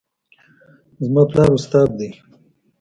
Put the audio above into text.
زما پلار استاد ده